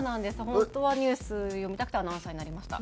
本当はニュース読みたくてアナウンサーになりました。